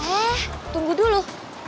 eh tunggu dulu